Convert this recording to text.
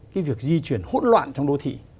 cái việc di chuyển hỗn loạn trong đô thị